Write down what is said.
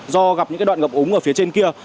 do gặp những đoạn ngập úng ở phía trên kia